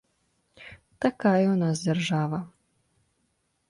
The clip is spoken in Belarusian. Такая ў нас дзяржава.